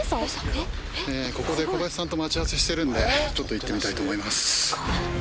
ここで小林さんと待ち合わせしてるんで行ってみたいと思います。